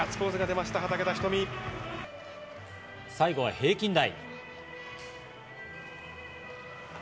最後は平均台。